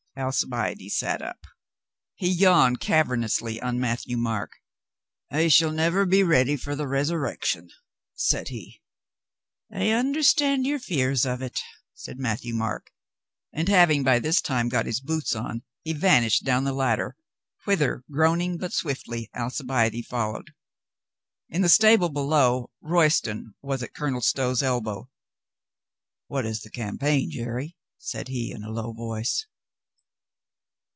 Alcibiade sat up. He }'awned cavernously on LADY LEPE DISCARDS PETTICOATS 47 Matthieu Marc. "I shall never be ready for the resurrection," said he. "I understand your fears of it," said Matthieu Marc, and, having by this time got his boots on, he vanished down the ladder, whither, groaning but swiftly, Alcibiade followed. In the stable below, Royston was at Colonel Stow's elbow. "What is the campaign, Jerry?" said he in a low voice.